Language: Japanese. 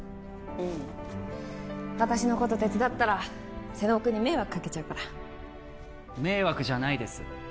ううん私のこと手伝ったら瀬能君に迷惑かけちゃうから迷惑じゃないです